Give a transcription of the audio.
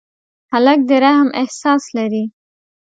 هلک د رحم احساس لري.